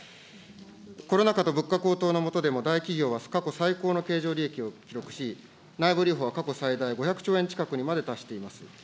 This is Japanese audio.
コロナ禍と物価高騰の下でも大企業は過去最高の経常利益を記録し、内部留保は過去最大、５００兆円近くにまで達しています。